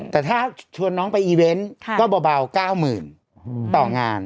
แต่ถ้าชวนน้องไปอีเวนต์ก็เบา๙๐๐ต่องาน